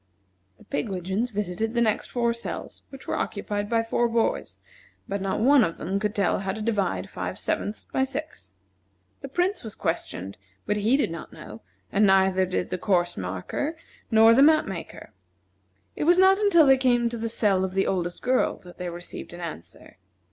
The pigwidgeons visited the next four cells, which were occupied by four boys, but not one of them could tell how to divide five sevenths by six. The Prince was questioned, but he did not know; and neither did the course marker, nor the map maker. It was not until they came to the cell of the oldest girl that they received an answer.